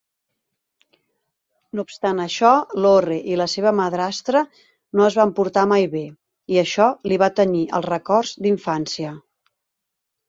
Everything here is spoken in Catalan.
No obstant això, Lorre i la seva madrastra no es van portar mai bé, i això li va tenyir els records d'infància.